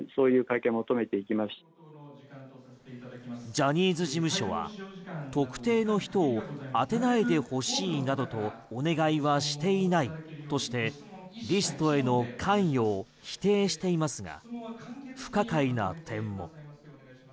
ジャニーズ事務所は特定の人を当てないで欲しいなどとお願いはしていないとしてリストへの関与を否定していますが不可解な点も。